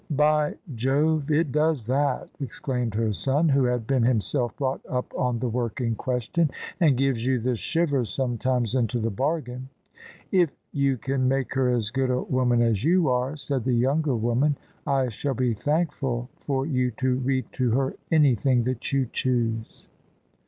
"By Jove, it does that!" exclaimed her son, who had been himself brought up on the work in question: "and gives you the shivers sometimes into the bargain." " If you can make her as good a woman as you are," said the younger woman, " I shall be thankful for you to read to her anything that you choose."